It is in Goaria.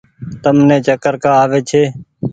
تم ني چڪر ڪآ آوي ڇي۔